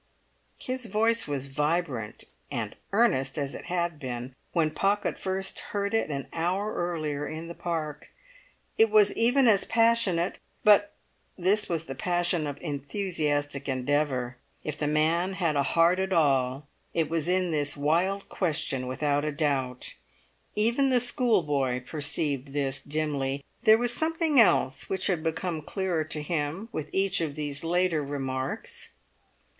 His voice was vibrant and earnest as it had been when Pocket heard it first an hour earlier in the Park. It was even as passionate, but this was the passion of enthusiastic endeavour. If the man had a heart at all, it was in this wild question without a doubt. Even the schoolboy perceived this dimly. There was something else which had become clearer to him with each of these later remarks.